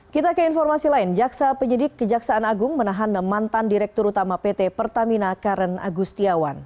kita ke informasi lain jaksa penyidik kejaksaan agung menahan mantan direktur utama pt pertamina karen agustiawan